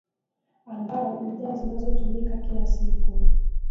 ambao bidhaa zinazotumika kila siku